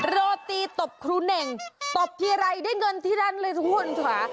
โรตีตบครูเน่งตบทีไรได้เงินที่นั่นเลยทุกคนค่ะ